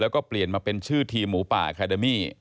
แล้วก็เปลี่ยนมาเป็นชื่อทีมหมูป่าคาเดมี่